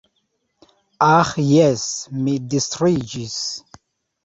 Aĥ jes, mi distriĝis.